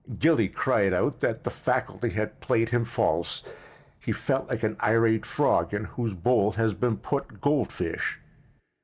Gilly cried out that the faculty had played him false. He felt like an irate frog in whose bowl has been put goldfish.